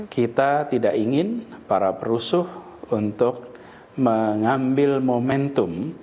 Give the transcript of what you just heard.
kita tidak ingin para perusuh untuk mengambil momentum